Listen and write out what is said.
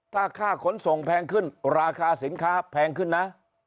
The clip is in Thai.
ถ้าค่าขนส่งแพงขึ้นราคาสินค้าแพงขึ้นนะ